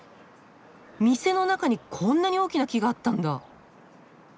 店の中にこんなに大きな木があったんだ！